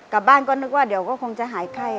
กลับบ้านก็นึกว่าเดี๋ยวก็คงจะหายไข้